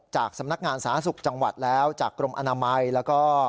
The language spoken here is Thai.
จากสำนักงานสาธารณสุขจังหวัดแล้วจากกรมอนามัยแล้วก็